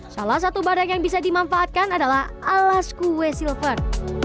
salah satu barang yang bisa dimanfaatkan adalah alas kue silver